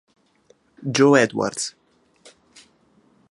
Joe Edwards